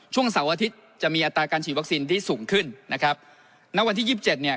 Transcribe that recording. เสาร์อาทิตย์จะมีอัตราการฉีดวัคซีนที่สูงขึ้นนะครับณวันที่ยี่สิบเจ็ดเนี่ย